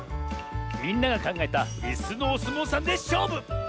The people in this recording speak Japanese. みんながかんがえたいすのおすもうさんでしょうぶ！